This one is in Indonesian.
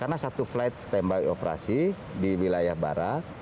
karena satu flight standby operasi di wilayah barat